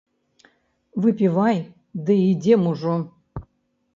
Выпівай ды ідзём ужо.